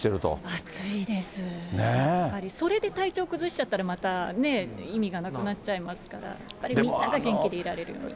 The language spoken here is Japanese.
やっぱり、それで体調を崩しちゃったら、またね、意味がなくなっちゃいますから、やっぱりみんなが元気でいられるように。